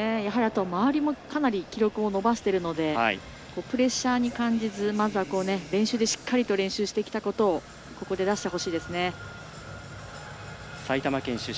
周りもかなり記録を伸ばしているのでプレッシャーに感じずまずは練習でしっかりと練習してきたことを埼玉県出身